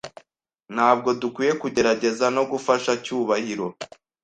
Ntabwo dukwiye kugerageza no gufasha Cyubahiro?